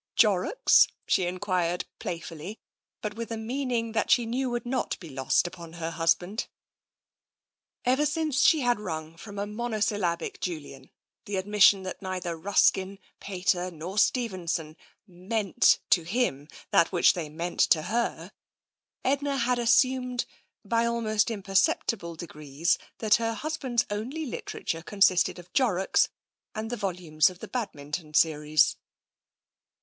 "Jorrocks?" she enquired playfully, but with a meaning that she knew would not be lost upon her hus band. Ever since she had wrung from a monosyllabic Julian the admission that neither Ruskin, Pater, nor Stevenson " meant " to him that which they meant to her, Edna had assumed, by almost imperceptible de grees, that her husband's only literature consisted of Jorrocks and the volumes of the Badminton series.